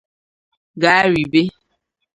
ga ribe.